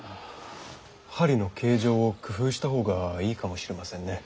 針の形状を工夫したほうがいいかもしれませんね。